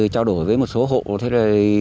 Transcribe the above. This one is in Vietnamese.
chào đổi với một số hộ